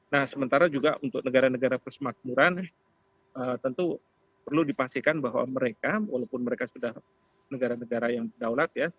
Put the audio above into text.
nah sementara juga untuk negara negara persemakmuran tentu perlu dipastikan bahwa mereka walaupun mereka sudah negara negara yang berdaulat ya